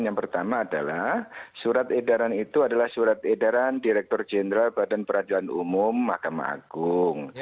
yang pertama adalah surat edaran itu adalah surat edaran direktur jenderal badan peradilan umum mahkamah agung